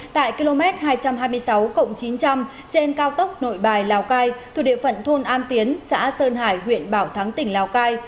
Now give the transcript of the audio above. tại km hai trăm hai mươi sáu chín trăm linh trên cao tốc nội bài lào cai thuộc địa phận thôn an tiến xã sơn hải huyện bảo thắng tỉnh lào cai